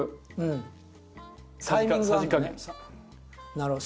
なるほど。